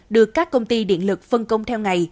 được các công ty điện lực phân công theo ngày